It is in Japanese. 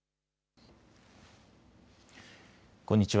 こんにちは。